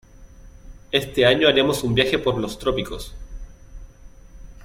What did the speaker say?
Este año haremos un viaje por los trópicos.